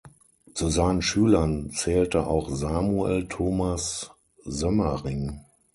Zu seinen Schülern zählte auch Samuel Thomas Soemmerring.